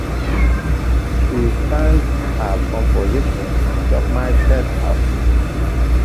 She sang her composition, "Chop My Head Off".